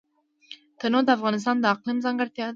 تنوع د افغانستان د اقلیم ځانګړتیا ده.